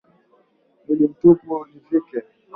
Nili mtupu nivike.